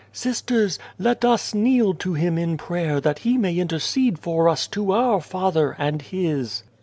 Sisters, let us kneel to Him in prayer that He may intercede for us to our Father and His."